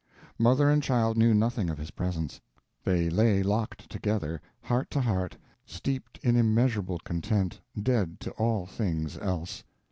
Mother and child knew nothing of his presence; they lay locked together, heart to heart, steeped in immeasurable content, dead to all things else.